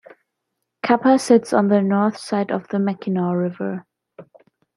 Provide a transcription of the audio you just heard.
Kappa sits on the north side of the Mackinaw River.